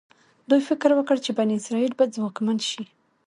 دوی فکر وکړ چې بني اسرایل به ځواکمن شي.